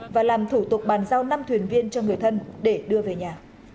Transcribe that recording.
và làm thủ tục bàn giao năm thuyền viên cho người thân để đưa về nhà